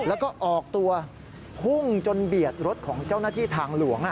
แล้วก็ออกตัวพุ่งจนเบียดรถของเจ้าหน้าที่ทางหลวง